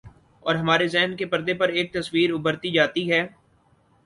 اورہمارے ذہن کے پردے پر ایک تصویر ابھرتی جاتی ہے۔